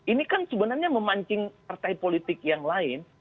ini kan sebenarnya memancing partai politik yang lain